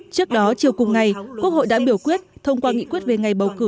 trước đó chiều cùng ngày quốc hội đã biểu quyết thông qua nghị quyết về ngày bầu cử